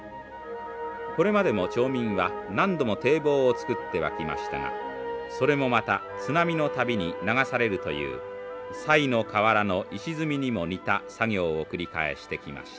これまでも町民は何度も堤防を造ってはきましたがそれもまた津波の度に流されるというさいの河原の石積みにも似た作業を繰り返してきました。